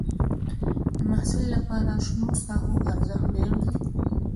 د محصل لپاره شنو ساحو ارزښت ډېر دی.